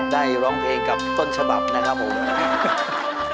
ร้องเพลงกับต้นฉบับนะครับผม